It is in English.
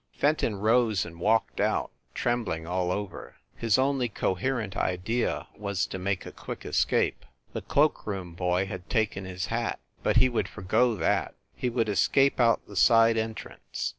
Fenton rose and walked out, trembling all over. His only coherent idea was to make a quick escape. The cloakroom boy had taken his hat, but he would forego that. He would escape out the side entrance.